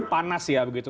panas ya begitu